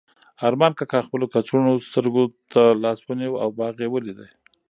ارمان کاکا خپلو کڅوړنو سترګو ته لاس ونیو او باغ یې ولید.